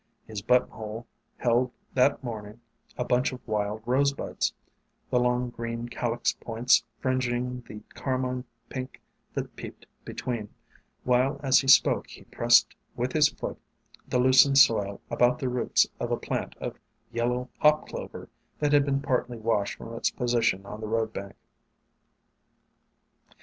His buttonhole held that morning a bunch of Wild Rosebuds, the long green calyx points fringing the carmine pink that peeped between, while as he spoke he pressed with his foot the loosened soil about the roots of a plant of yellow Hop Clover that had been partly washed from its position on the roadbank.